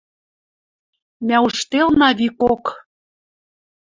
мӓ ужделнӓ викок.